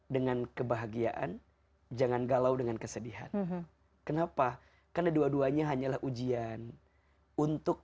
dengan kebahagiaan jangan galau dengan kesedihan kenapa karena dua duanya hanyalah ujian untuk